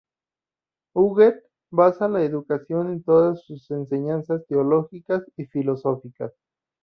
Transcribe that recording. Huguet basa en la educación todas sus enseñanzas teológicas y filosóficas.